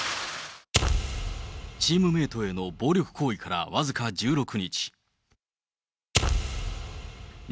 チームメートへの暴力行為から僅か１６日。